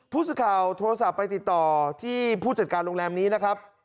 ผู้สื่อข่าวโทรศัพท์ไปติดต่อที่ผู้จัดการโรงแรมนี้นะครับ